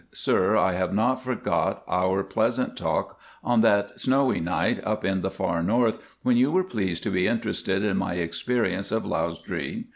Sir, I have not forgot our pleasant talk on that snowy night up in the far north, when you were pleased to be interested in my experiences of Lausdree.